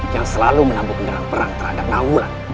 yang selalu menabuh kendaraan perang terhadap nawang mulan